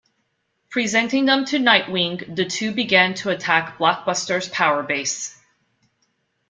Presenting them to Nightwing, the two began to attack Blockbuster's powerbase.